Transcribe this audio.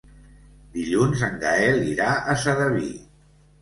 Dilluns en Gaël irà a Sedaví.